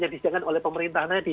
yang disediakan oleh pemerintah tadi